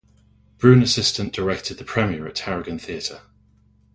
Brewin assistant directed the premiere at Tarragon Theatre.